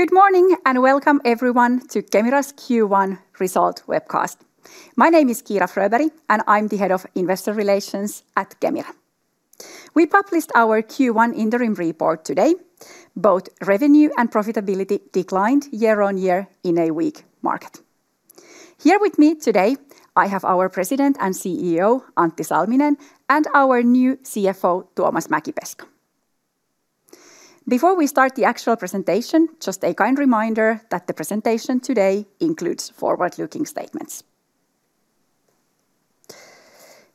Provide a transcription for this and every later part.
Good morning, and welcome everyone to Kemira's Q1 result webcast. My name is Kiira Fröberg, and I'm the head of investor relations at Kemira. We published our Q1 interim report today. Both revenue and profitability declined year-on-year in a weak market. Here with me today, I have our President and CEO, Antti Salminen, and our new CFO, Tuomas Mäkipeska. Before we start the actual presentation, just a kind reminder that the presentation today includes forward-looking statements.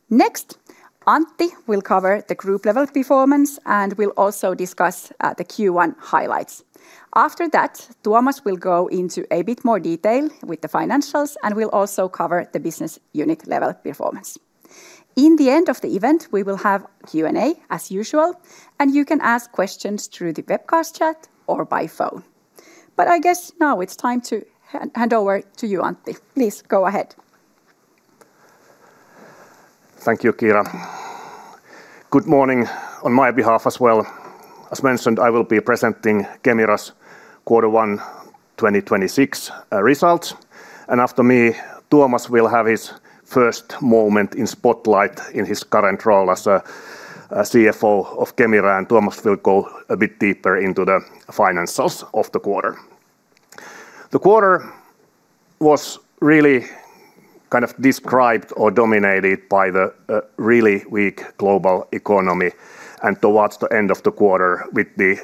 Next, Antti will cover the group level performance, and will also discuss the Q1 highlights. After that, Tuomas will go into a bit more detail with the financials and will also cover the business unit level performance. In the end of the event, we will have Q&A as usual, and you can ask questions through the webcast chat or by phone. I guess now it's time to hand over to you, Antti. Please go ahead. Thank you, Kiira. Good morning on my behalf as well. As mentioned, I will be presenting Kemira's quarter one 2026 results. After me, Tuomas will have his first moment in spotlight in his current role as CFO of Kemira, and Tuomas will go a bit deeper into the financials of the quarter. The quarter was really kind of described or dominated by the really weak global economy, and towards the end of the quarter with the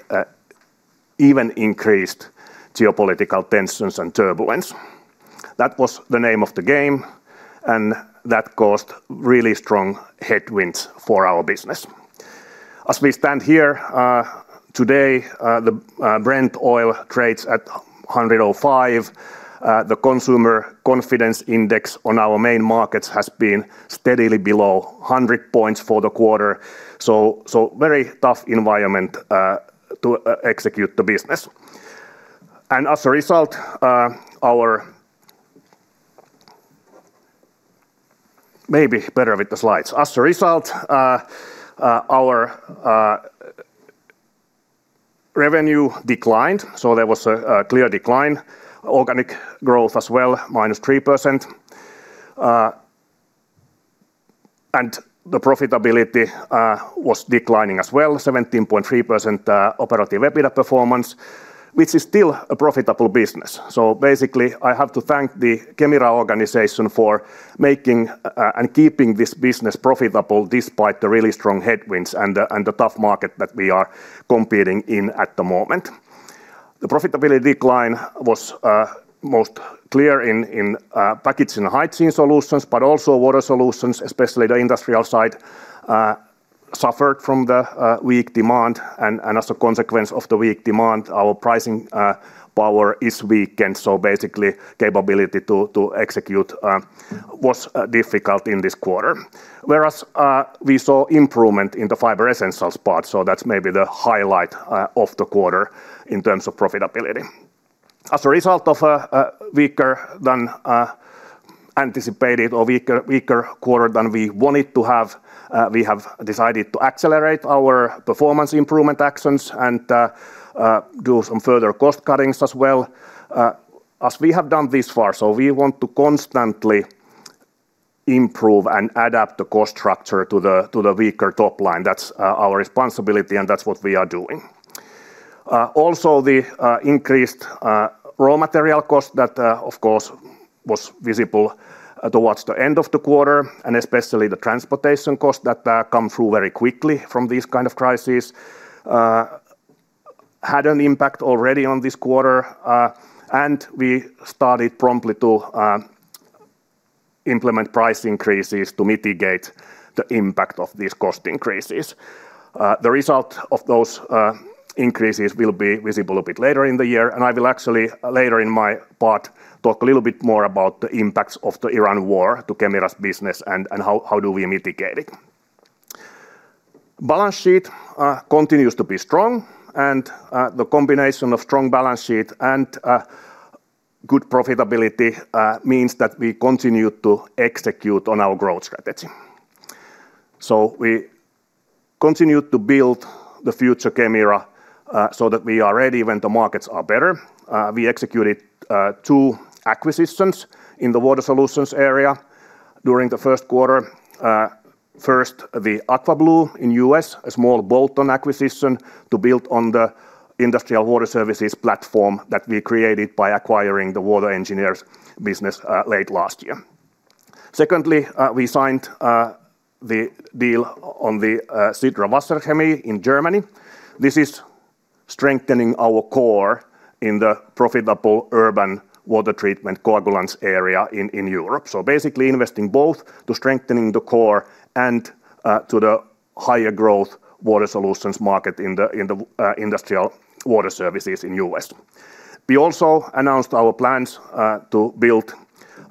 even increased geopolitical tensions and turbulence. That was the name of the game, and that caused really strong headwinds for our business. As we stand here today, the Brent oil trades at $105. The consumer confidence index on our main markets has been steadily below 100 points for the quarter. Very tough environment to execute the business. Maybe better with the slides. As a result, our revenue declined, so there was a clear decline. Organic growth as well, -3%. The profitability was declining as well, 17.3% operative EBITDA performance, which is still a profitable business. Basically, I have to thank the Kemira organization for making and keeping this business profitable despite the really strong headwinds and the tough market that we are competing in at the moment. The profitability decline was most clear in Packaging & Hygiene Solutions, but also Water Solutions, especially the industrial side, suffered from the weak demand. As a consequence of the weak demand, our pricing power is weakened. Basically capability to execute was difficult in this quarter. Whereas we saw improvement in the Fiber Essentials part. That's maybe the highlight of the quarter in terms of profitability. As a result of weaker than anticipated or weaker quarter than we wanted to have, we have decided to accelerate our performance improvement actions and do some further cost cuttings as well as we have done thus far. We want to constantly improve and adapt the cost structure to the weaker top line. That's our responsibility and that's what we are doing. The increased raw material cost that of course was visible towards the end of the quarter, and especially the transportation cost that come through very quickly from these kind of crises had an impact already on this quarter. We started promptly to implement price increases to mitigate the impact of these cost increases. The result of those increases will be visible a bit later in the year, and I will actually later in my part talk a little bit more about the impacts of the Iran war to Kemira's business and how do we mitigate it. Balance sheet continues to be strong and the combination of strong balance sheet and good profitability means that we continue to execute on our growth strategy. We continue to build the future Kemira, so that we are ready when the markets are better. We executed two acquisitions in the Water Solutions area during the first quarter. First, the AquaBlue in U.S., a small bolt-on acquisition to build on the industrial water services platform that we created by acquiring the Water Engineering business late last year. Secondly, we signed the deal on the SIDRA Wasserchemie in Germany. This is strengthening our core in the profitable urban water treatment coagulants area in Europe. Basically investing both to strengthening the core and to the higher growth Water Solutions market in the industrial water services in U.S. We also announced our plans to build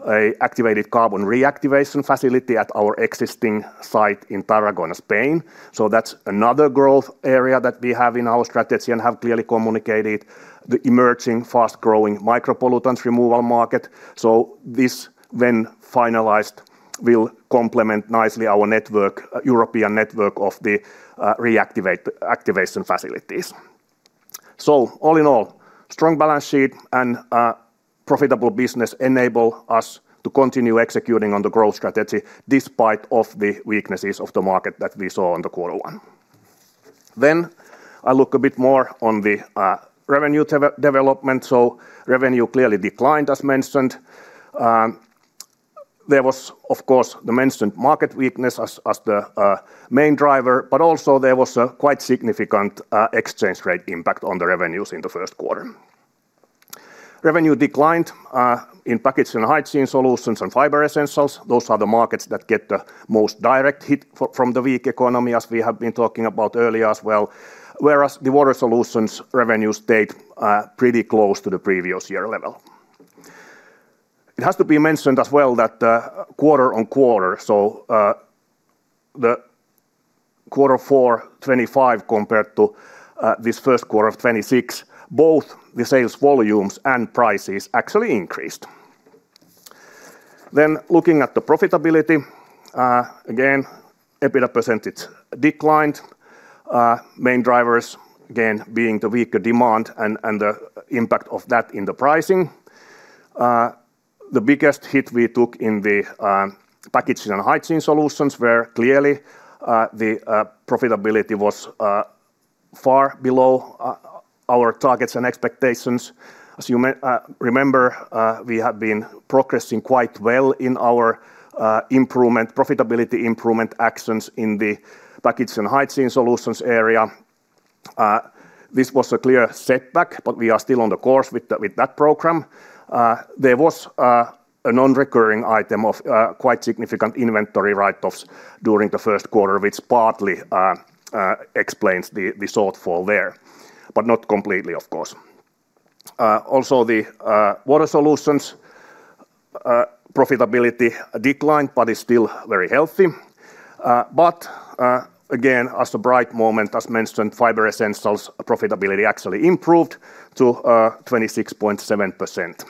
a activated carbon reactivation facility at our existing site in Tarragona, Spain. That's another growth area that we have in our strategy and have clearly communicated the emerging fast-growing micropollutants removal market. This when finalized will complement nicely our European network of the reactivation facilities. All in all, strong balance sheet and a profitable business enable us to continue executing on the growth strategy despite of the weaknesses of the market that we saw in the quarter one. I look a bit more on the revenue development. Revenue clearly declined, as mentioned. There was, of course, the mentioned market weakness as the main driver, but also there was a quite significant exchange rate impact on the revenues in the first quarter. Revenue declined in Packaging & Hygiene Solutions and Fiber Essentials. Those are the markets that get the most direct hit from the weak economy, as we have been talking about earlier as well, whereas the Water Solutions revenue stayed pretty close to the previous year level. It has to be mentioned as well that quarter-on-quarter, so the quarter four 2025 compared to this first quarter of 2026, both the sales volumes and prices actually increased. Looking at the profitability, again, EBITDA percentage declined. Main drivers, again, being the weaker demand and the impact of that in the pricing. The biggest hit we took in the Packaging & Hygiene Solutions were clearly the profitability was far below our targets and expectations. As you remember, we have been progressing quite well in our profitability improvement actions in the Packaging & Hygiene Solutions area. This was a clear setback, but we are still on the course with that program. There was a non-recurring item of quite significant inventory write-offs during the first quarter, which partly explains the shortfall there, but not completely, of course. Also, the Water Solutions profitability declined but is still very healthy. Again, as a bright moment, as mentioned, Fiber Essentials profitability actually improved to 26.7%.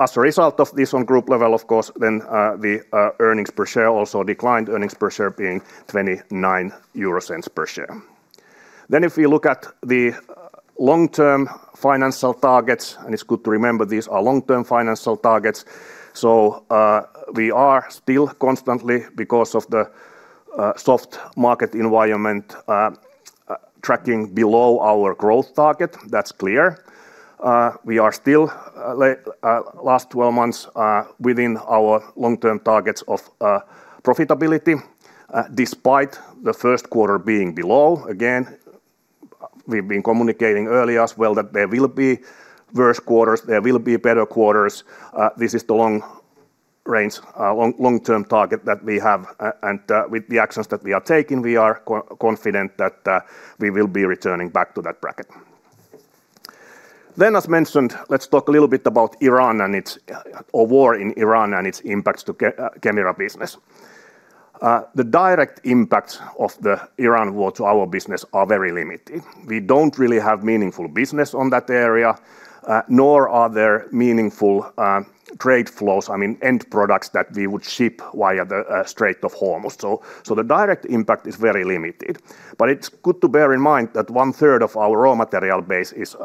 As a result of this, on group level, of course, then the earnings per share also declined, earnings per share being 0.29 per share. If we look at the long-term financial targets, and it's good to remember, these are long-term financial targets. We are still constantly, because of the soft market environment, tracking below our growth target. That's clear. We are still, last 12 months, within our long-term targets of profitability, despite the first quarter being below. Again, we've been communicating early as well that there will be worse quarters, there will be better quarters. This is the long-term target that we have, and with the actions that we are taking, we are confident that we will be returning back to that bracket. As mentioned, let's talk a little bit about the war in Iran and its impacts to Kemira business. The direct impacts of the Iran war to our business are very limited. We don't really have meaningful business on that area, nor are there meaningful trade flows, I mean, end products that we would ship via the Strait of Hormuz. The direct impact is very limited. It's good to bear in mind that one-third of our raw material base is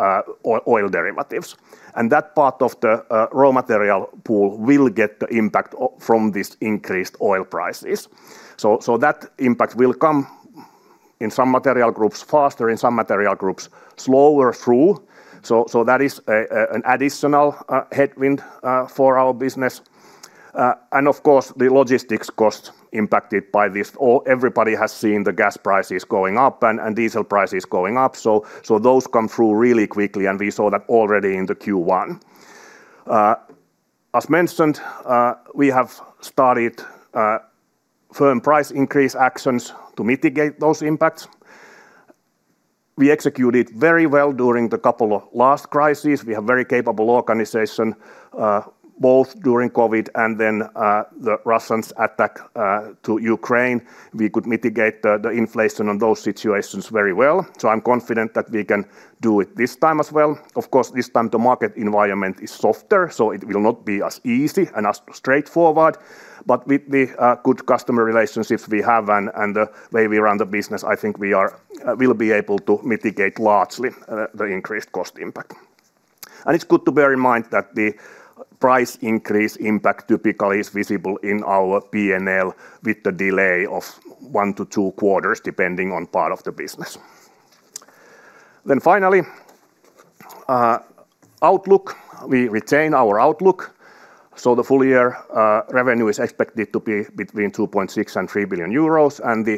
oil derivatives, and that part of the raw material pool will get the impact from these increased oil prices. That impact will come in some material groups faster, in some material groups slower through. That is an additional headwind for our business. Of course, the logistics cost impacted by this. Everybody has seen the gas prices going up and diesel prices going up. Those come through really quickly, and we saw that already in the Q1. As mentioned, we have started firm price increase actions to mitigate those impacts. We executed very well during the couple of last crises. We have very capable organization, both during COVID and then the Russia's attack to Ukraine. We could mitigate the inflation in those situations very well. I'm confident that we can do it this time as well. Of course, this time the market environment is softer, so it will not be as easy and as straightforward. With the good customer relationships we have and the way we run the business, I think we will be able to mitigate largely the increased cost impact. It's good to bear in mind that the price increase impact typically is visible in our P&L with the delay of one to two quarters, depending on part of the business. Finally, outlook. We retain our outlook. The full year revenue is expected to be between 2.6 billion and 3 billion euros, and the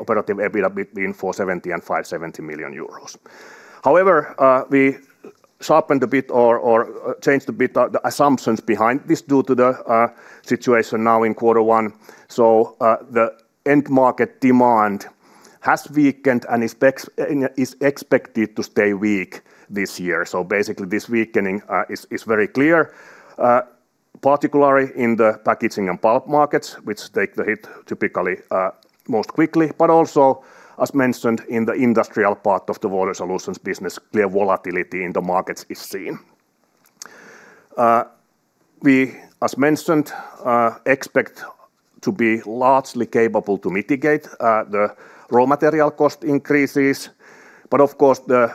operative EBITDA between 470 million and 570 million euros. However, we sharpened a bit or changed a bit the assumptions behind this due to the situation now in quarter one. The end market demand has weakened and is expected to stay weak this year. Basically this weakening is very clear, particularly in the packaging and pulp markets, which take the hit typically most quickly, but also as mentioned in the industrial part of the Water Solutions business, clear volatility in the markets is seen. We, as mentioned, expect to be largely capable to mitigate the raw material cost increases. Of course, the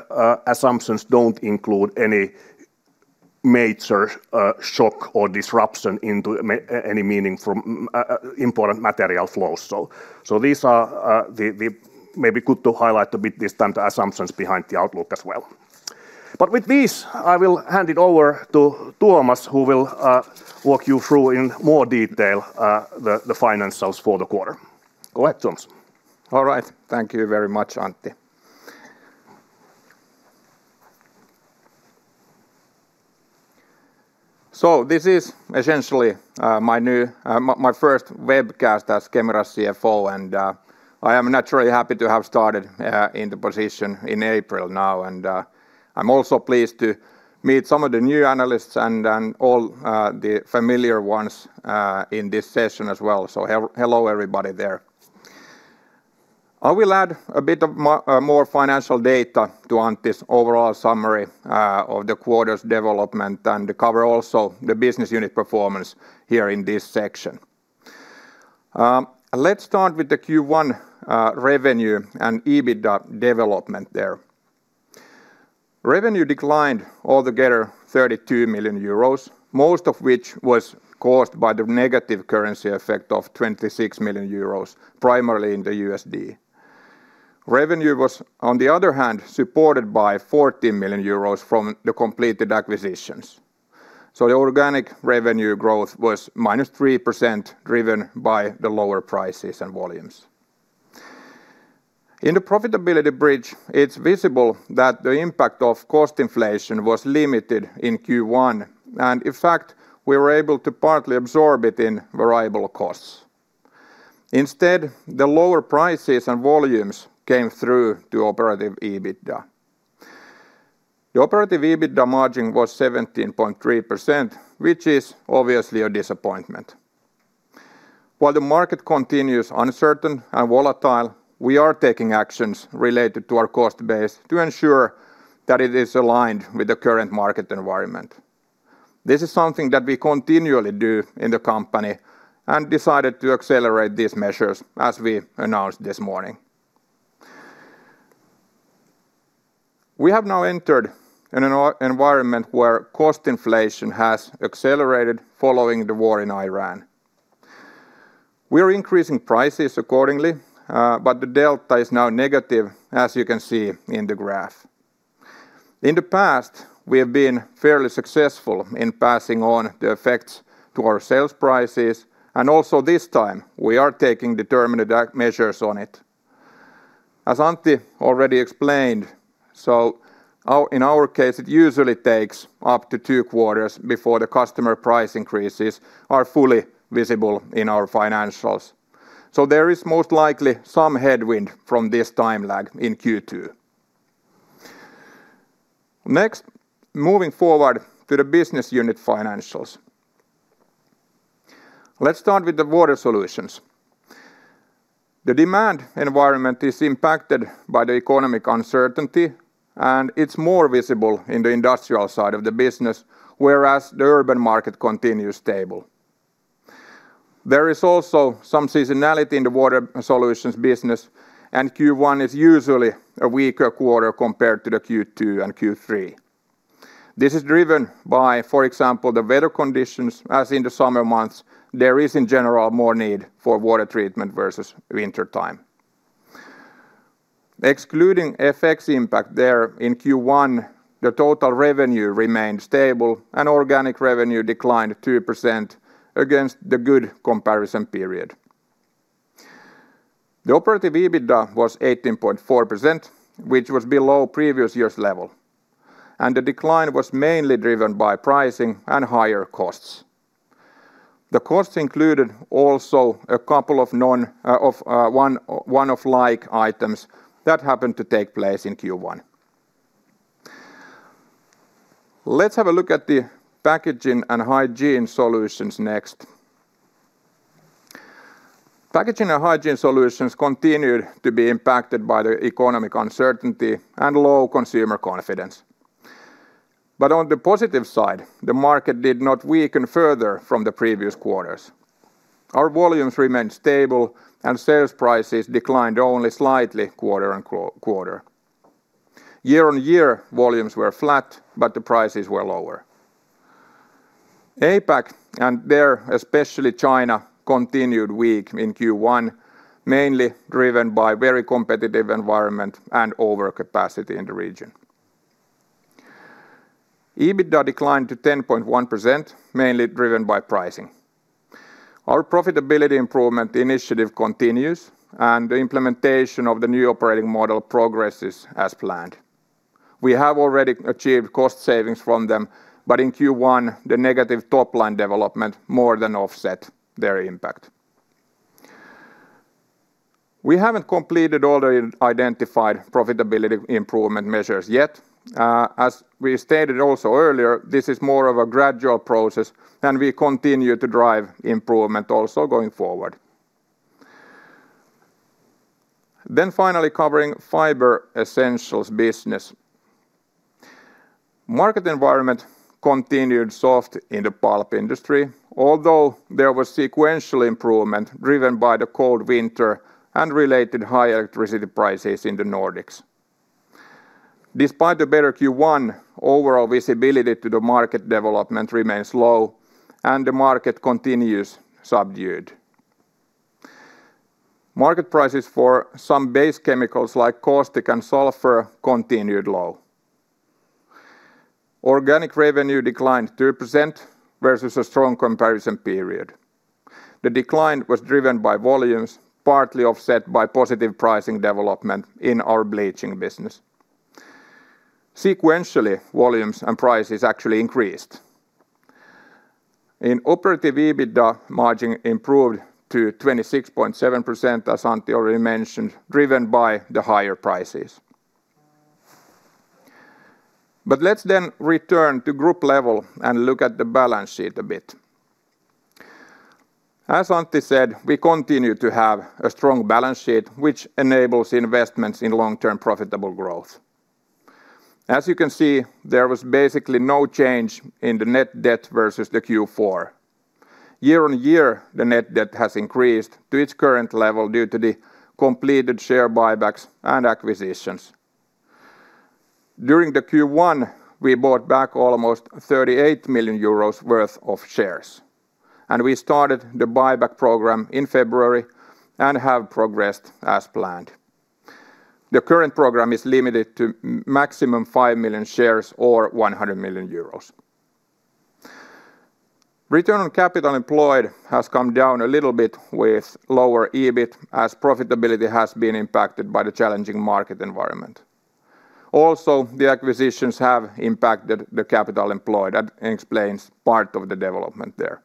assumptions don't include any major shock or disruption into any meaning from important material flows. These may be good to highlight a bit, the assumptions behind the outlook as well. With this, I will hand it over to Tuomas, who will walk you through in more detail the financials for the quarter. Go ahead, Tuomas. All right. Thank you very much, Antti. This is essentially my first webcast as Kemira's CFO, and I am naturally happy to have started in the position in April now. I'm also pleased to meet some of the new analysts and all the familiar ones in this session as well. Hello, everybody there. I will add a bit of more financial data to Antti's overall summary of the quarter's development, and cover also the business unit performance here in this section. Let's start with the Q1 revenue and EBITDA development there. Revenue declined altogether 32 million euros, most of which was caused by the negative currency effect of 26 million euros, primarily in the USD. Revenue was, on the other hand, supported by 40 million euros from the completed acquisitions. The organic revenue growth was -3%, driven by the lower prices and volumes. In the profitability bridge, it's visible that the impact of cost inflation was limited in Q1, and in fact, we were able to partly absorb it in variable costs. Instead, the lower prices and volumes came through to operative EBITDA. The operative EBITDA margin was 17.3%, which is obviously a disappointment. While the market continues uncertain and volatile, we are taking actions related to our cost base to ensure that it is aligned with the current market environment. This is something that we continually do in the company and decided to accelerate these measures as we announced this morning. We have now entered an environment where cost inflation has accelerated following the war in Iran. We are increasing prices accordingly, but the delta is now negative, as you can see in the graph. In the past, we have been fairly successful in passing on the effects to our sales prices, and also this time we are taking determined measures on it. As Antti already explained, in our case, it usually takes up to two quarters before the customer price increases are fully visible in our financials. There is most likely some headwind from this time lag in Q2. Next, moving forward to the business unit financials. Let's start with Water Solutions. The demand environment is impacted by the economic uncertainty, and it's more visible in the industrial side of the business, whereas the urban market continues stable. There is also some seasonality in the Water Solutions business, and Q1 is usually a weaker quarter compared to the Q2 and Q3. This is driven by, for example, the weather conditions, as in the summer months there is in general more need for water treatment versus wintertime. Excluding FX impact there in Q1, the total revenue remained stable and organic revenue declined 2% against the good comparison period. The operative EBITDA was 18.4%, which was below previous year's level, and the decline was mainly driven by pricing and higher costs. The costs included also a couple of one-off items that happened to take place in Q1. Let's have a look at the Packaging and Hygiene Solutions next. Packaging and Hygiene Solutions continued to be impacted by the economic uncertainty and low consumer confidence. On the positive side, the market did not weaken further from the previous quarters. Our volumes remained stable and sales prices declined only slightly quarter-on-quarter. Year-over-year, volumes were flat, but the prices were lower. APAC, and there especially China, continued weak in Q1, mainly driven by very competitive environment and overcapacity in the region. EBITDA declined to 10.1%, mainly driven by pricing. Our profitability improvement initiative continues, and the implementation of the new operating model progresses as planned. We have already achieved cost savings from them, but in Q1, the negative top-line development more than offset their impact. We haven't completed all the identified profitability improvement measures yet. As we stated also earlier, this is more of a gradual process and we continue to drive improvement also going forward. Finally covering Fiber Essentials business. Market environment continued soft in the pulp industry, although there was sequential improvement driven by the cold winter and related high electricity prices in the Nordics. Despite the better Q1, overall visibility to the market development remains low and the market continues subdued. Market prices for some base chemicals like caustic and sulfur continued low. Organic revenue declined 3% versus a strong comparison period. The decline was driven by volumes, partly offset by positive pricing development in our bleaching business. Sequentially, volumes and prices actually increased. Operative EBITDA margin improved to 26.7%, as Antti already mentioned, driven by the higher prices. Let's then return to group level and look at the balance sheet a bit. As Antti said, we continue to have a strong balance sheet, which enables investments in long-term profitable growth. As you can see, there was basically no change in the net debt versus the Q4. Year-on-year, the net debt has increased to its current level due to the completed share buybacks and acquisitions. During the Q1, we bought back almost 38 million euros worth of shares, and we started the buyback program in February and have progressed as planned. The current program is limited to maximum five million shares or 100 million euros. Return on capital employed has come down a little bit with lower EBIT, as profitability has been impacted by the challenging market environment. Also, the acquisitions have impacted the capital employed. That explains part of the development there.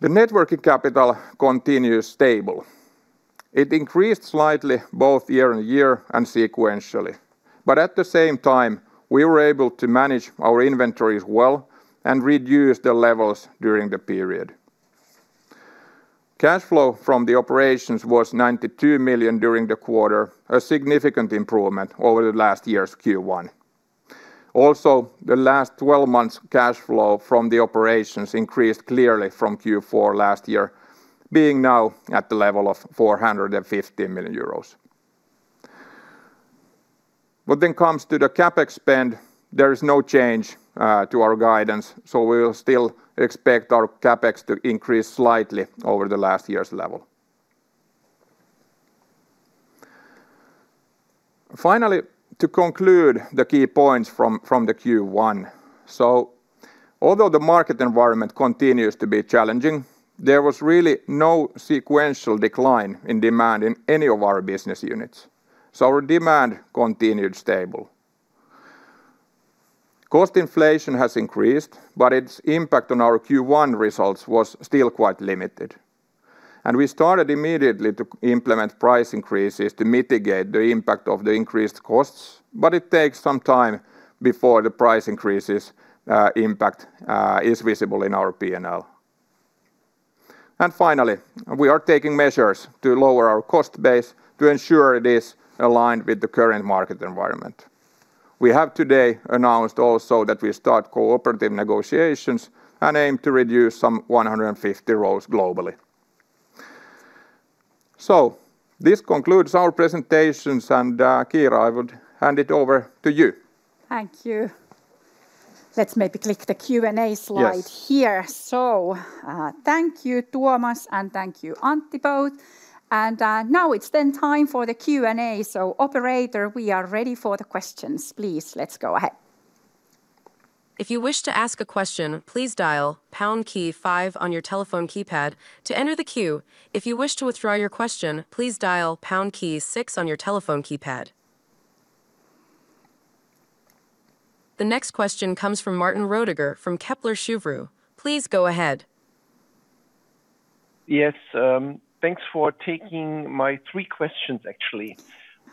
The net working capital continues stable. It increased slightly both year-over-year and sequentially, but at the same time, we were able to manage our inventories well and reduce the levels during the period. Cash flow from the operations was 92 million during the quarter, a significant improvement over the last year's Q1. Also, the last 12 months cash flow from the operations increased clearly from Q4 last year, being now at the level of 450 million euros. What then comes to the CapEx spend, there is no change to our guidance, so we will still expect our CapEx to increase slightly over the last year's level. Finally, to conclude the key points from the Q1, although the market environment continues to be challenging, there was really no sequential decline in demand in any of our business units. Our demand continued stable. Cost inflation has increased, but its impact on our Q1 results was still quite limited, and we started immediately to implement price increases to mitigate the impact of the increased costs, but it takes some time before the price increases impact is visible in our P&L. Finally, we are taking measures to lower our cost base to ensure it is aligned with the current market environment. We have today announced also that we start cooperative negotiations and aim to reduce some 150 roles globally. This concludes our presentations, and, Kiira, I would hand it over to you. Thank you. Let's maybe click the Q&A slide- Yes ...here. Thank you, Tuomas, and thank you, Antti, both. Now it's then time for the Q&A. Operator, we are ready for the questions. Please, let's go ahead. If you wish to ask a question, please dial pound key five on your telephone keypad to enter the queue. If you wish to withdraw your question, please dial pound key six on your telephone keypad. The next question comes from Martin Roediger from Kepler Cheuvreux. Please go ahead. Yes, thanks for taking my three questions, actually.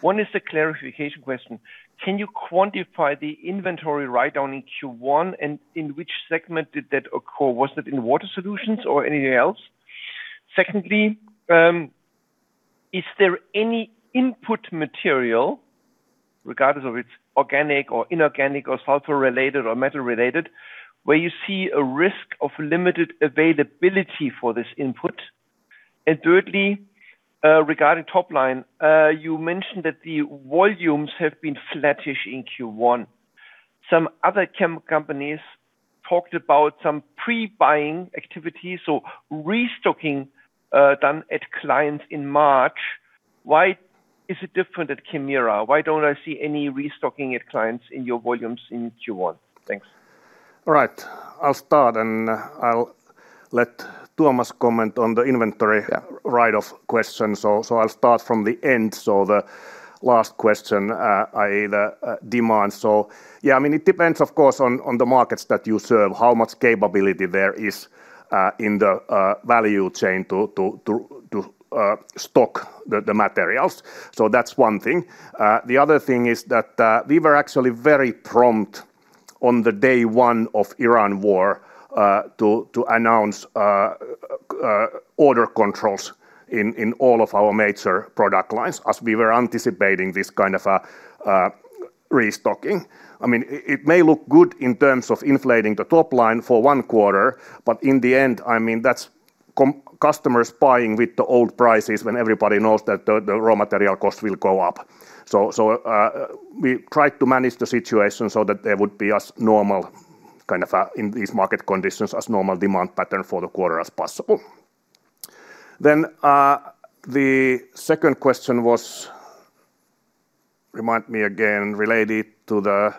One is a clarification question. Can you quantify the inventory write-down in Q1? And in which segment did that occur? Was it in Water Solutions or anything else? Secondly, is there any input material, regardless of its organic or inorganic or sulfur-related or metal-related, where you see a risk of limited availability for this input? And thirdly, regarding top line, you mentioned that the volumes have been flattish in Q1. Some other chem companies talked about some pre-buying activities or restocking done at clients in March. Why is it different at Kemira? Why don't I see any restocking at clients in your volumes in Q1? Thanks. All right. I'll start, and I'll let Tuomas comment on the inventory- Yeah... write-off question. I'll start from the end. The last question, the demand. Yeah, I mean, it depends, of course, on the markets that you serve, how much capability there is in the value chain to stock the materials. That's one thing. The other thing is that we were actually very prompt on the day one of Iran war to announce order controls in all of our major product lines as we were anticipating this kind of restocking. It may look good in terms of inflating the top line for one quarter, but in the end, that's customers buying with the old prices when everybody knows that the raw material cost will go up. We tried to manage the situation so that there would be as normal in these market conditions, as normal demand pattern for the quarter as possible. The second question was, remind me again, related to the-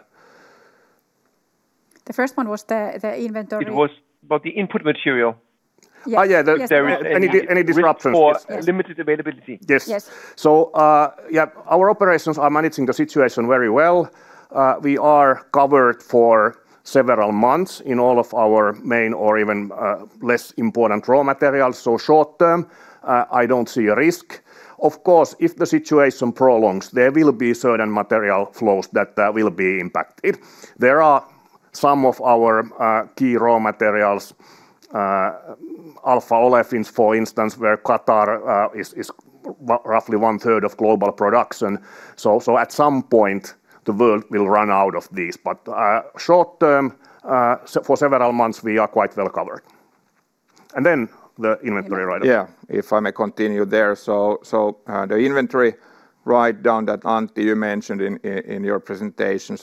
The first one was the inventory. It was about the input material. Yes. Oh, yeah. Any disruptions. For limited availability. Yes. Yes. Yeah, our operations are managing the situation very well. We are covered for several months in all of our main or even less important raw materials. Short term, I don't see a risk. Of course, if the situation prolongs, there will be certain material flows that will be impacted. There are some of our key raw materials, alpha olefins, for instance, where Qatar is roughly 1/3 of global production. At some point, the world will run out of these. Short term, for several months, we are quite well covered. The inventory write-down. Yeah, if I may continue there. The inventory write-down that, Antti, you mentioned in your presentation.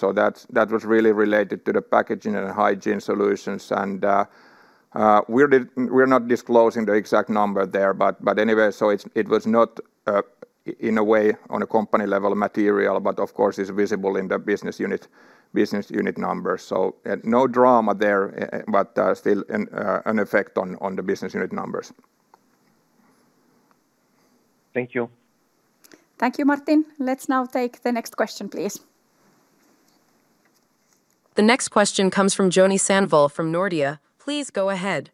That was really related to the Packaging & Hygiene Solutions, and we're not disclosing the exact number there, but anyway, it was not in a way on a company level material, but of course is visible in the business unit numbers. No drama there, but still an effect on the business unit numbers. Thank you. Thank you, Martin. Let's now take the next question, please. The next question comes from Joni Sandvall from Nordea. Please go ahead.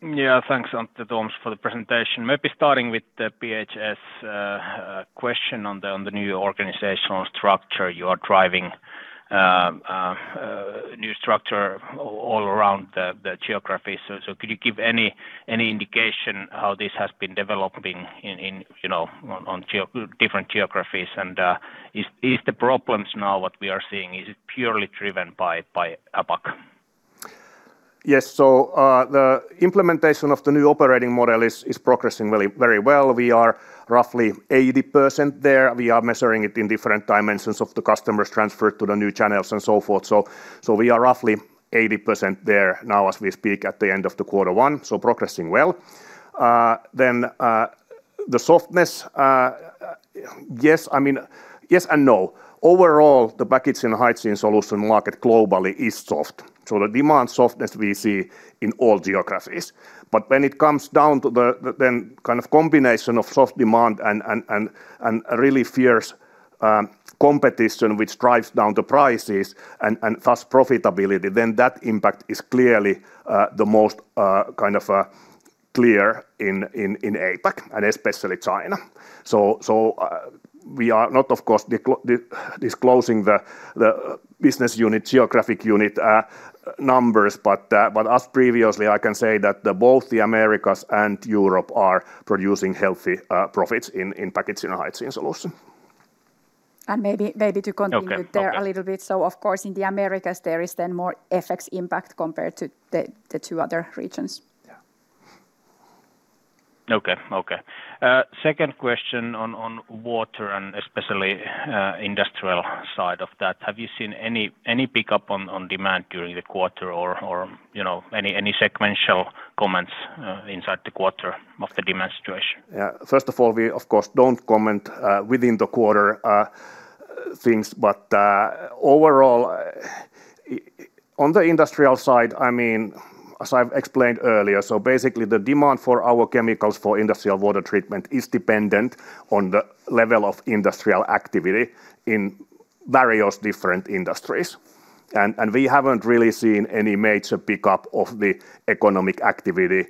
Yeah, thanks, Antti, Tuomas, for the presentation. Maybe starting with the PHS question on the new organizational structure you are driving, new structure all around the geographies. Could you give any indication how this has been developing on different geographies? Is the problem now what we are seeing, is it purely driven by APAC? Yes. The implementation of the new operating model is progressing very well. We are roughly 80% there. We are measuring it in different dimensions of the customers transferred to the new channels and so forth. We are roughly 80% there now as we speak at the end of the quarter one, so progressing well. The softness, yes and no. Overall, the Packaging & Hygiene Solutions market globally is soft. The demand softness we see in all geographies. When it comes down to the combination of soft demand and a really fierce competition which drives down the prices and thus profitability, then that impact is clearly the most clear in APAC and especially China. We are not, of course, disclosing the business unit, geographic unit numbers, but as previously I can say that both the Americas and Europe are producing healthy profits in Packaging & Hygiene Solutions. Maybe to continue there a little bit. Okay. Of course, in the Americas, there is then more FX impact compared to the two other regions. Yeah. Okay. Second question on water and especially industrial side of that. Have you seen any pickup on demand during the quarter or any sequential comments inside the quarter of the demand situation? Yeah. First of all, we, of course, don't comment within the quarter things, but overall, on the industrial side, as I've explained earlier, so basically the demand for our chemicals for industrial water treatment is dependent on the level of industrial activity in various different industries. We haven't really seen any major pickup of the economic activity,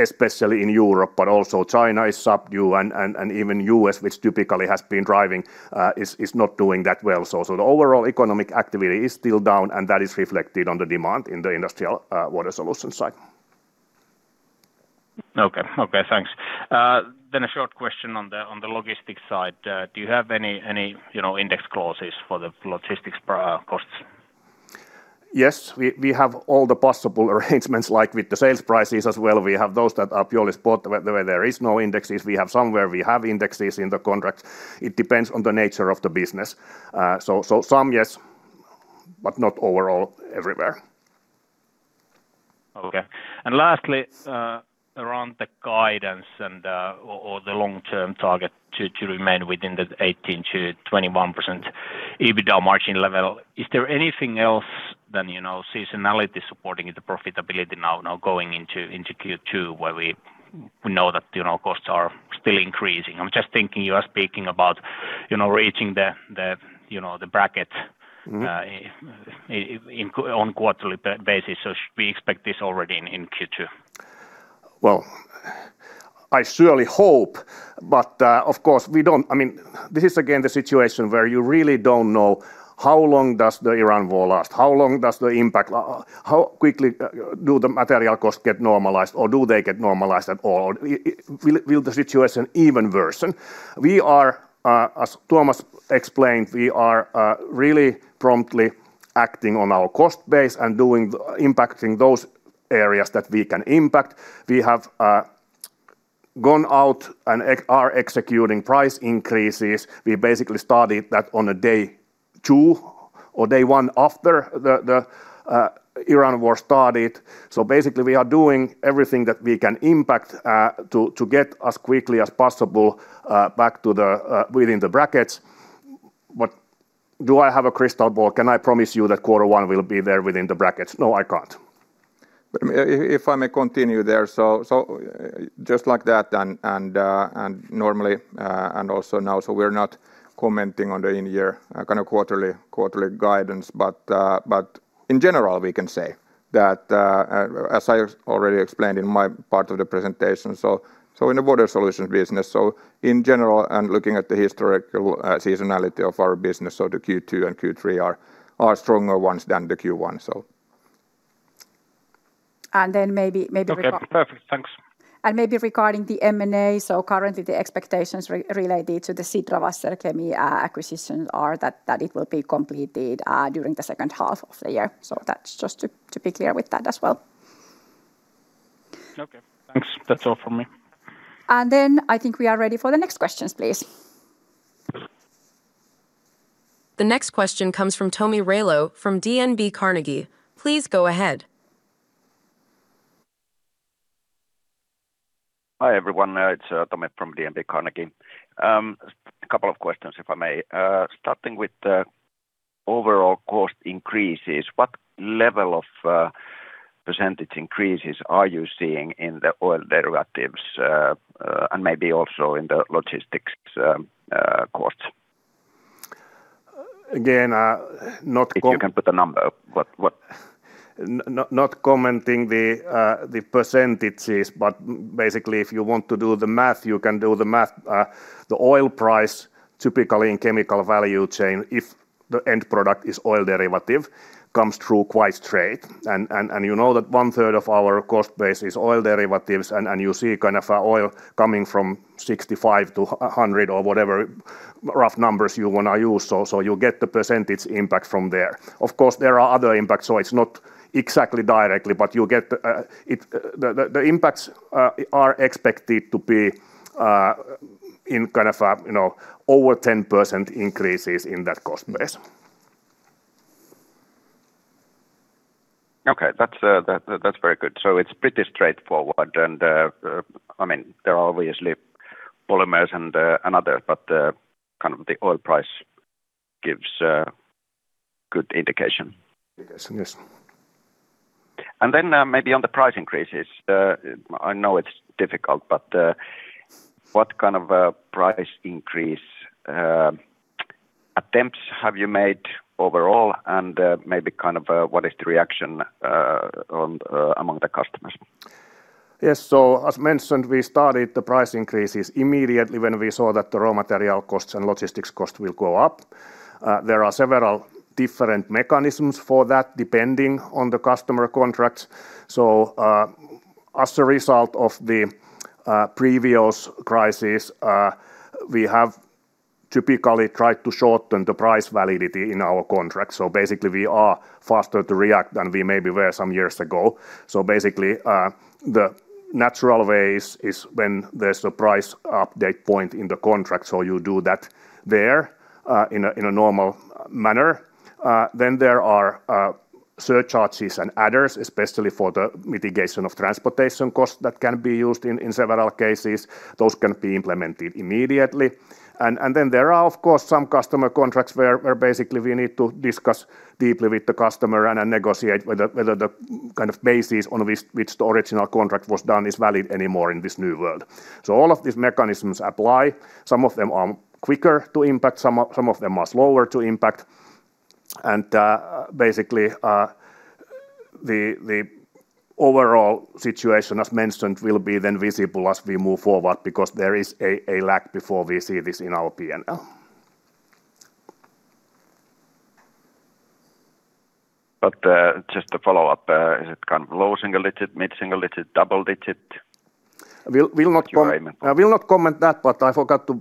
especially in Europe, but also China is subdued and even U.S., which typically has been driving, is not doing that well. The overall economic activity is still down, and that is reflected on the demand in the industrial water solutions side. Okay. Thanks. A short question on the logistics side. Do you have any index clauses for the logistics costs? Yes, we have all the possible arrangements like with the sales prices as well. We have those that are purely spot where there is no indexes. We have some where we have indexes in the contract. It depends on the nature of the business. Some, yes, but not overall everywhere. Okay. Lastly, around the guidance and or the long-term target to remain within the 18%-21% EBITDA margin level, is there anything else than seasonality supporting the profitability now going into Q2 where we know that costs are still increasing? I'm just thinking you are speaking about reaching the bracket- Mm-hmm ...on quarterly basis. Should we expect this already in Q2? I surely hope. This is again the situation where you really don't know how long does the Iran war last? How long does the impact last? How quickly do the material costs get normalized, or do they get normalized at all? Will the situation even worsen? We are, as Tuomas explained, really promptly acting on our cost base and impacting those areas that we can impact. We have gone out and are executing price increases. We basically started that on a day two or day one after the Iran war started. Basically, we are doing everything that we can impact to get as quickly as possible back within the brackets. Do I have a crystal ball? Can I promise you that quarter one will be there within the brackets? No, I can't. If I may continue there. Just like that, and normally, and also now, we're not commenting on the in-year quarterly guidance. In general, we can say that as I already explained in my part of the presentation. In the Water Solutions business, so in general and looking at the historical seasonality of our business, so the Q2 and Q3 are stronger ones than the Q1, so. Then maybe- Okay, thanks. Maybe regarding the M&A, so currently the expectations related to the SIDRA Wasserchemie acquisition are that it will be completed during the second half of the year, so that's just to be clear with that as well. Thanks, that's all for me. And then I think we are ready for the next question, please. Next question comes from Tomi Railo from DNB Carnegie. Please go ahead. Hi, everyone. It's Tomi from DNB Carnegie. A couple of questions, if I may. Starting with the overall cost increases, what level of percentage increases are you seeing in the oil derivatives, and maybe also in the logistics costs? Again, not- If you can put a number. ...not commenting the percentages, but basically if you want to do the math, you can do the math. The oil price typically in chemical value chain, if the end product is oil derivative, comes through quite straight. You know that 1/3 of our cost base is oil derivatives, and you see oil coming from $65-$100 or whatever rough numbers you want to use. You'll get the percentage impact from there. Of course, there are other impacts, so it's not exactly directly. The impacts are expected to be over 10% increases in that cost base. Okay. That's very good. It's pretty straightforward, and there are obviously polymers and other, but the oil price gives a good indication. Yes. Maybe on the price increases. I know it's difficult, but what kind of price increase attempts have you made overall, and maybe what is the reaction among the customers? Yes. As mentioned, we started the price increases immediately when we saw that the raw material costs and logistics costs will go up. There are several different mechanisms for that, depending on the customer contracts. As a result of the previous crisis, we have typically tried to shorten the price validity in our contract. Basically we are faster to react than we maybe were some years ago. Basically, the natural way is when there's a price update point in the contract, so you do that there, in a normal manner. There are surcharges and adders, especially for the mitigation of transportation costs that can be used in several cases. Those can be implemented immediately. There are, of course, some customer contracts where basically we need to discuss deeply with the customer and negotiate whether the kind of basis on which the original contract was done is valid anymore in this new world. All of these mechanisms apply. Some of them are quicker to impact, some of them are slower to impact. Basically, the overall situation as mentioned will be then visible as we move forward because there is a lag before we see this in our P&L. Just to follow up, is it kind of low single digit, mid single digit, double digit? I will not comment that, but I forgot to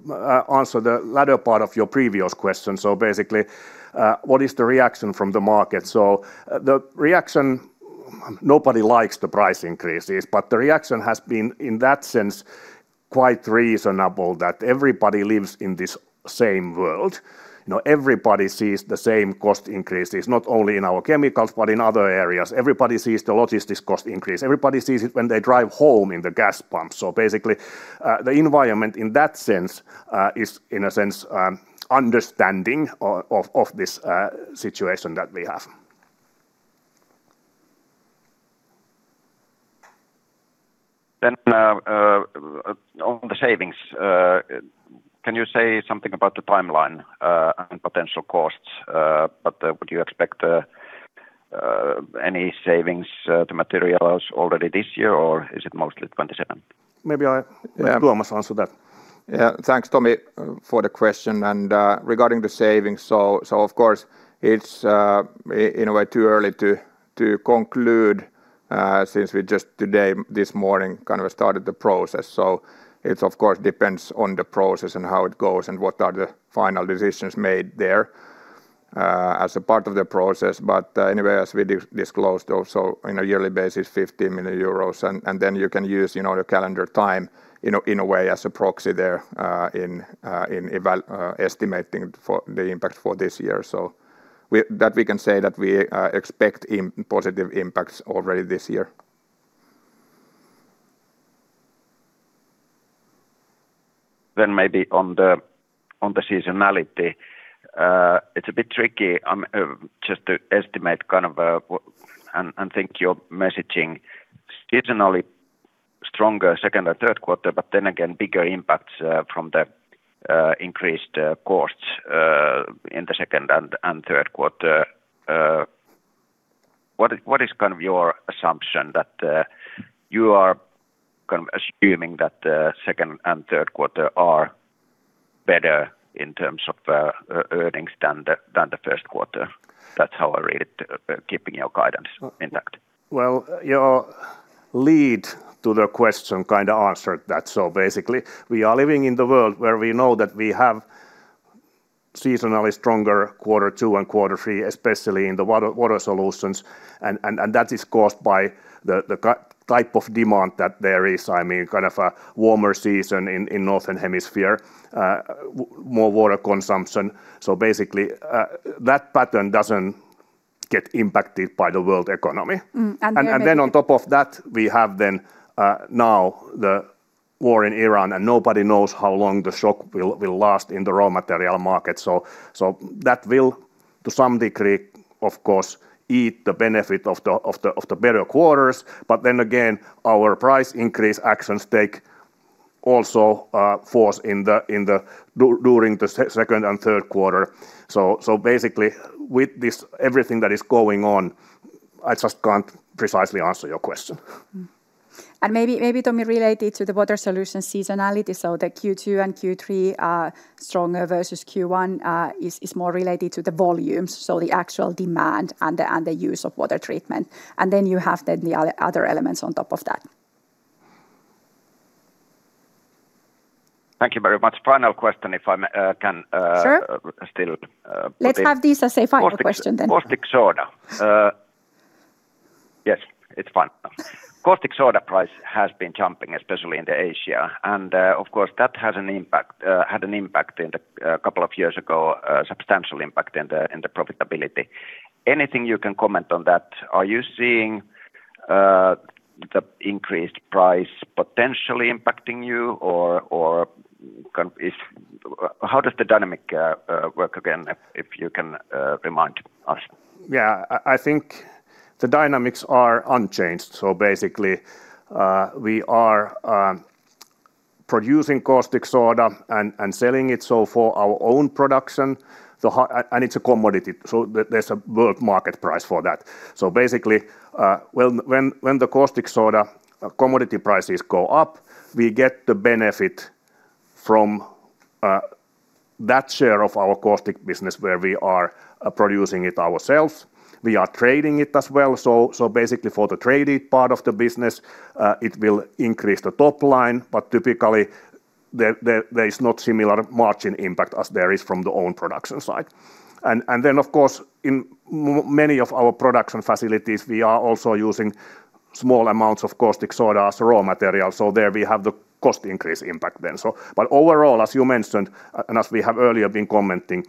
answer the latter part of your previous question. Basically, what is the reaction from the market? The reaction, nobody likes the price increases, but the reaction has been, in that sense, quite reasonable that everybody lives in this same world. Everybody sees the same cost increases, not only in our chemicals but in other areas. Everybody sees the logistics cost increase. Everybody sees it when they drive home in the gas pump. Basically, the environment in that sense is, in a sense, understanding of this situation that we have. On the savings, can you say something about the timeline and potential costs, but would you expect any savings to materials already this year, or is it mostly 2027? Maybe Tuomas must answer that. Yeah. Thanks, Tomi, for the question. Regarding the savings, of course, it's in a way too early to conclude since we just today, this morning, started the process. It of course depends on the process and how it goes and what are the final decisions made there as a part of the process. Anyway, as we disclosed also, in a yearly basis, 50 million euros, and then you can use the calendar time in a way as a proxy there in estimating the impact for this year. That we can say that we expect positive impacts already this year. Maybe on the seasonality. It's a bit tricky just to estimate, and think your messaging seasonally stronger second or third quarter. Then again, bigger impacts from the increased costs in the second and third quarter. What is your assumption that you are assuming that the second and third quarter are better in terms of earnings than the first quarter? That's how I read it, keeping your guidance intact. Well, your lead to the question kind of answered that. Basically, we are living in the world where we know that we have seasonally stronger quarter two and quarter three, especially in the Water Solutions. That is caused by the type of demand that there is, a warmer season in Northern Hemisphere, more water consumption. Basically, that pattern doesn't get impacted by the world economy. Mm. And then- On top of that, we have then now the war in Iran, and nobody knows how long the shock will last in the raw material market. That will, to some degree, of course, eat the benefit of the better quarters. Our price increase actions take also force during the second and third quarter. Basically, with this, everything that is going on, I just can't precisely answer your question. Maybe, Tomi, related to the Water Solutions seasonality, the Q2 and Q3 are stronger versus Q1 is more related to the volumes. The actual demand and the use of water treatment. You have the other elements on top of that. Thank you very much. Final question, if I can. Sure Still. Let's have this as a final question then. Caustic soda. Yes, it's fine now. Caustic soda price has been jumping, especially in Asia. Of course, that had an impact a couple of years ago, a substantial impact on the profitability. Anything you can comment on that? Are you seeing the increased price potentially impacting you, or how does the dynamic work again, if you can remind us? Yeah. I think the dynamics are unchanged. Basically we are producing caustic soda and selling it. For our own production, and it's a commodity, so there's a world market price for that. Basically, when the caustic soda commodity prices go up, we get the benefit from that share of our caustic business where we are producing it ourselves. We are trading it as well. Basically for the traded part of the business it will increase the top line, but typically there is not similar margin impact as there is from the own production side. Then of course, in many of our production facilities, we are also using small amounts of caustic soda as raw material. There we have the cost increase impact then. Overall, as you mentioned, and as we have earlier been commenting,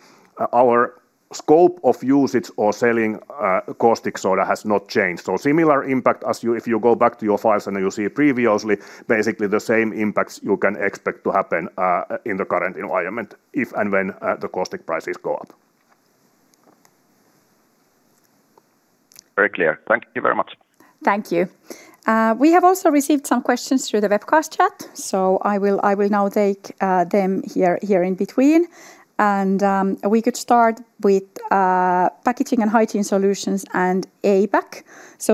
our scope of usage or selling caustic soda has not changed. Similar impact as if you go back to your files and you see previously, basically the same impacts you can expect to happen in the current environment if and when the caustic prices go up. Very clear. Thank you very much. Thank you. We have also received some questions through the webcast chat. I will now take them here in between. We could start with Packaging and Hygiene Solutions and APAC.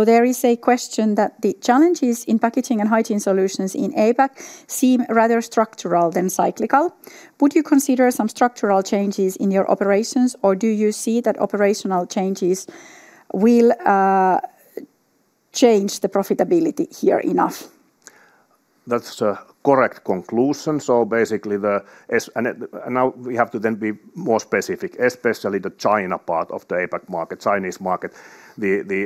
There is a question that the challenges in Packaging and Hygiene Solutions in APAC seem rather structural than cyclical. Would you consider some structural changes in your operations, or do you see that operational changes will change the profitability here enough? That's a correct conclusion. Now we have to be more specific, especially the China part of the APAC market, Chinese market. The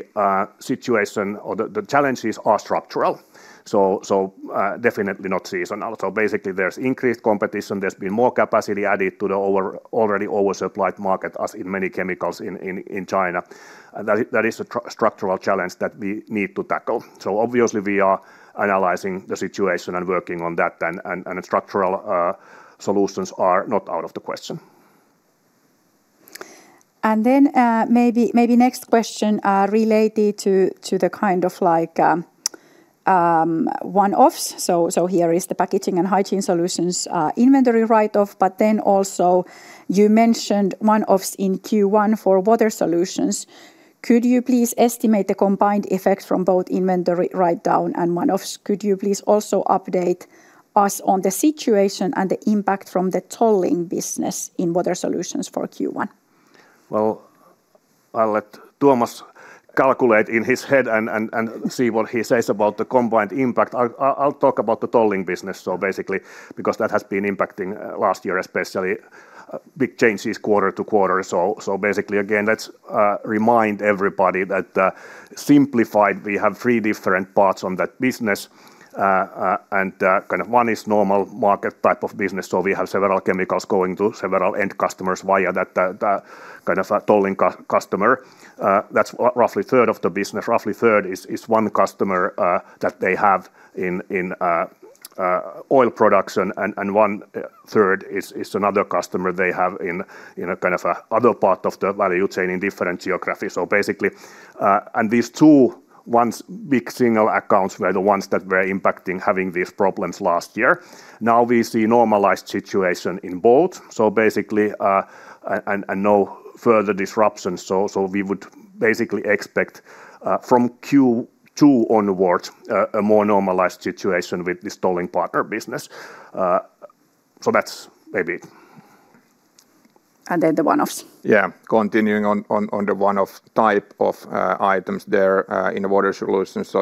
situation or the challenges are structural, so definitely not seasonal. Basically there's increased competition, there's been more capacity added to the already oversupplied market as in many chemicals in China. That is a structural challenge that we need to tackle. Obviously we are analyzing the situation and working on that, and structural solutions are not out of the question. Maybe next question related to the kind of like one-offs. Here is the Packaging & Hygiene Solutions inventory write-off, but then also you mentioned one-offs in Q1 for Water Solutions. Could you please estimate the combined effects from both inventory write-down and one-offs? Could you please also update us on the situation and the impact from the tolling business in Water Solutions for Q1? Well, I'll let Tuomas calculate in his head and see what he says about the combined impact. I'll talk about the tolling business, basically because that has been impacting last year, especially big changes quarter-to-quarter. Basically, again, let's remind everybody that simplified, we have three different parts on that business. One is normal market type of business, so we have several chemicals going to several end customers via that kind of a tolling customer. That's roughly a third of the business. Roughly a third is one customer that they have in oil production, and one-third is another customer they have in a kind of other part of the value chain in different geographies. Basically, and these two big single accounts were the ones that were impacting having these problems last year. Now we see normalized situation in both, basically and no further disruptions. We would basically expect from Q2 onwards a more normalized situation with this tolling partner business. That's maybe it. The one-offs. Yeah. Continuing on the one-off type of items there in Water Solutions.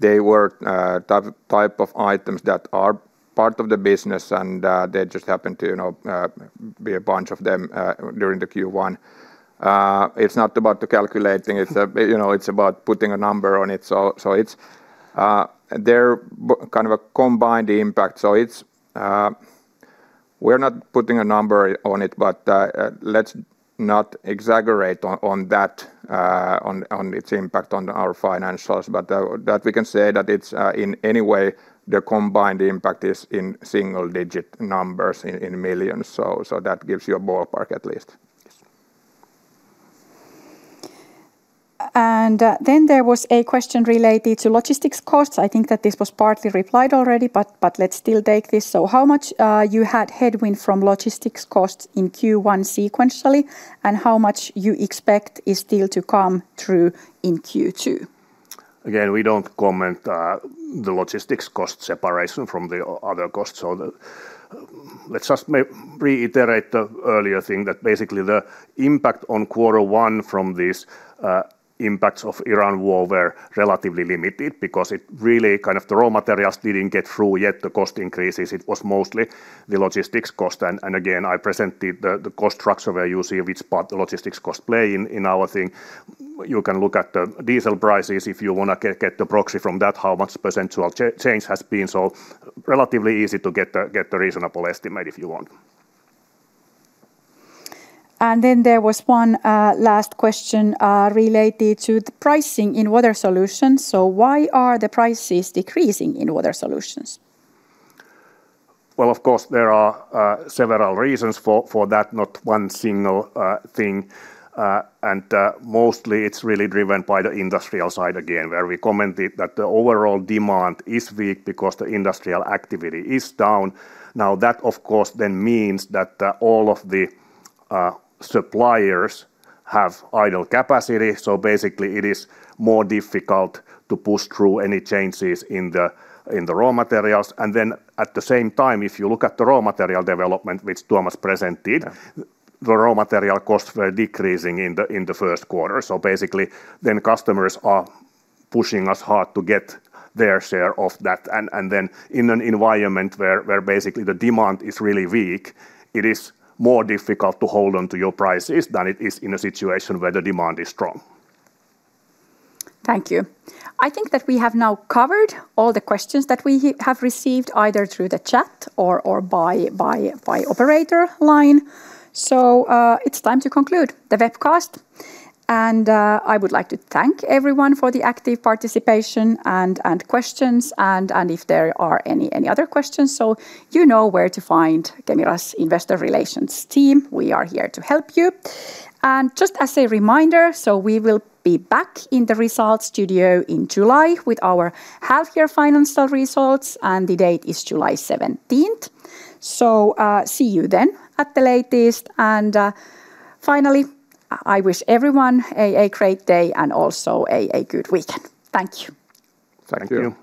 They were type of items that are part of the business and there just happened to be a bunch of them during the Q1. It's not about the calculation, it's about putting a number on it. They're kind of a combined impact. We're not putting a number on it, but let's not exaggerate on its impact on our financials. We can say that it's anyway the combined impact is in single-digit millions. That gives you a ballpark at least. Yes. Then there was a question related to logistics costs. I think that this was partly replied already, but let's still take this. How much you had headwind from logistics costs in Q1 sequentially, and how much you expect is still to come through in Q2? Again, we don't comment on the logistics cost separation from the other costs. Let's just reiterate the earlier thing, that basically the impact on quarter one from these impacts of Iran war were relatively limited because it really kind of the raw materials didn't get through yet, the cost increases. It was mostly the logistics cost. Again, I presented the cost structure where you see which part the logistics cost play in our thing. You can look at the diesel prices if you want to get the proxy from that, how much percentage change has been. Relatively easy to get a reasonable estimate if you want. There was one last question related to the pricing in Water Solutions. Why are the prices decreasing in Water Solutions? Well, of course, there are several reasons for that, not one single thing. Mostly it's really driven by the industrial side again, where we commented that the overall demand is weak because the industrial activity is down. Now, that of course then means that all of the suppliers have idle capacity, so basically it is more difficult to push through any changes in the raw materials. At the same time, if you look at the raw material development, which Tuomas presented. Yeah The raw material costs were decreasing in the first quarter. Basically then customers are pushing us hard to get their share of that. Then in an environment where basically the demand is really weak, it is more difficult to hold on to your prices than it is in a situation where the demand is strong. Thank you. I think that we have now covered all the questions that we have received, either through the chat or by operator line. It's time to conclude the webcast. I would like to thank everyone for the active participation and questions and if there are any other questions, so you know where to find Kemira's investor relations team. We are here to help you. Just as a reminder, so we will be back in the results studio in July with our half-year financial results, and the date is July 17th. See you then at the latest. Finally, I wish everyone a great day and also a good weekend. Thank you. Thank you. Thank you.